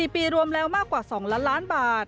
๔ปีรวมแล้วมากกว่า๒ล้านล้านบาท